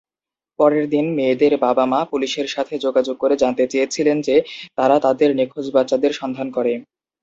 পরের দিন, মেয়েদের বাবা-মা পুলিশের সাথে যোগাযোগ করে জানতে চেয়েছিলেন যে তারা তাদের নিখোঁজ বাচ্চাদের সন্ধান করে।